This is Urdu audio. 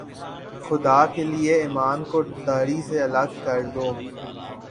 خدا کے لئے ایمان کو داڑھی سے الگ کر دو